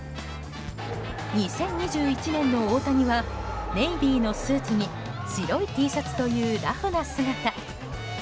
２０２１年の大谷はネイビーのスーツに白いＴシャツというラフな姿。